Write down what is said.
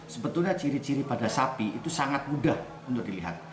sebetulnya ciri ciri pada sapi itu sangat mudah untuk dilihat